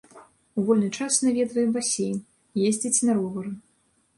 У вольны час наведвае басейн, ездзіць на ровары.